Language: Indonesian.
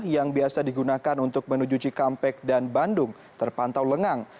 yang biasa digunakan untuk menuju cikampek dan bandung terpantau lengang